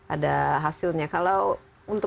ada hasilnya kalau untuk